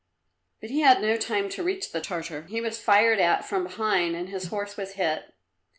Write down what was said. But he had no time to reach the Tartar; he was fired at from behind and his horse was hit.